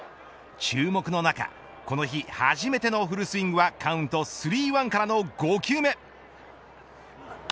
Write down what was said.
注目の中、この日初めてのフルスイングはカウント３−１からの５球目。